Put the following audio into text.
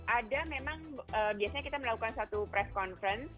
ada memang biasanya kita melakukan satu press conference